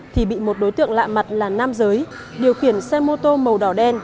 thì bị một đối tượng lạ mặt là nam giới điều khiển xe mô tô màu đỏ đen